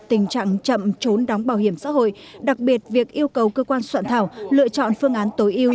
tình trạng chậm trốn đóng bảo hiểm xã hội đặc biệt việc yêu cầu cơ quan soạn thảo lựa chọn phương án tối yêu